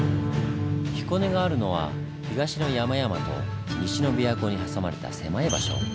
彦根があるのは東の山々と西の琵琶湖に挟まれた狭い場所。